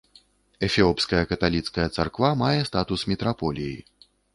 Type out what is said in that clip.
Эфіопская каталіцкая царква мае статус мітраполіі.